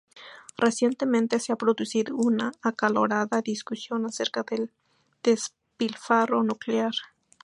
Recientemente, se ha producido una acalorada discusión acerca del despilfarro nuclear.